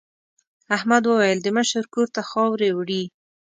احمد وویل د مشر کور ته خاورې وړي.